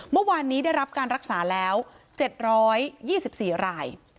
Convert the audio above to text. เมื่อวานนี้ได้รับการรักษาแล้ว๗๒๔ราย